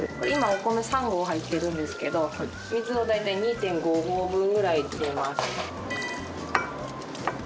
今お米３合入ってるんですけど水を大体２．５合分ぐらい入れます。